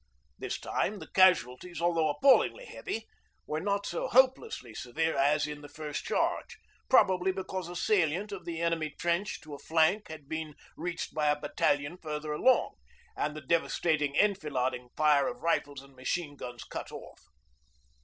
This time the casualties, although appallingly heavy, were not so hopelessly severe as in the first charge, probably because a salient of the enemy trench to a flank had been reached by a battalion farther along, and the devastating enfilading fire of rifles and machine guns cut off.